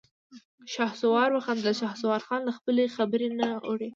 شهسوار وخندل: شهسوارخان له خپلې خبرې نه اوړي.